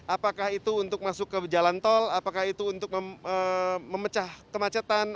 apakah itu untuk masuk ke jalan tol apakah itu untuk memecah kemacetan